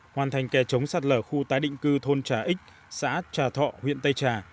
hoàn thành kè chống sạt lở khu tái định cư thôn trà ích xã trà thọ huyện tây trà